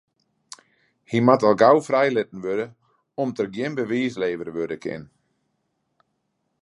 Hy moat al gau frijlitten wurde om't der gjin bewiis levere wurde kin.